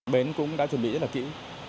bến cũng đã chuẩn bị rất là kỹ